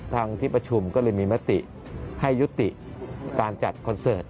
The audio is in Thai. ที่ประชุมก็เลยมีมติให้ยุติการจัดคอนเสิร์ต